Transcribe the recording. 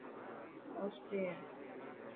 اوستي هي.